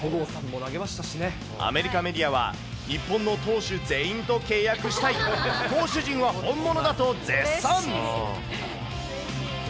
アメリカメディアは日本の投手全員と契約したい、投手陣は本物だと絶賛。